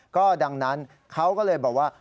ก็ดังนั้นเขาก็เลยบอกว่า